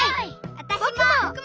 わたしも！